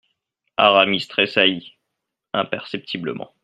Aramis tressaillit imperceptiblement.